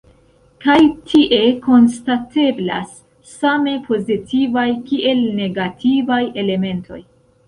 Kaj tie konstateblas same pozitivaj kiel negativaj elementoj.